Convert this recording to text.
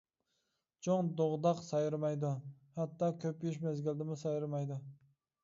چوڭ دوغداق سايرىمايدۇ، ھەتتا كۆپىيىش مەزگىلىدىمۇ سايرىمايدۇ.